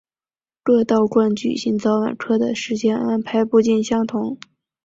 各道观举行早晚课的时间安排不尽相同。